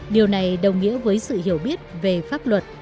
điều này đồng nghĩa với sự hiểu biết về pháp luật